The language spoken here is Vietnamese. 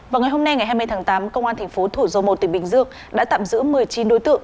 vào ngày hôm nay ngày hai mươi tháng tám công an thành phố thủ dầu một tỉnh bình dương đã tạm giữ một mươi chín đối tượng